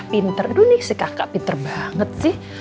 pinter dulu nih si kakak pinter banget sih